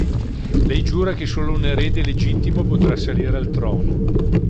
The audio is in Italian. Lei giura che solo un erede legittimo potrà salire al trono.